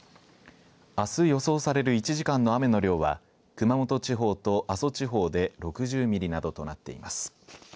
あす予想される１時間の雨の量は熊本地方と阿蘇地方で６０ミリなどとなっています。